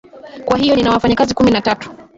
kwa hiyo nina wafanyakazi kumi na tatu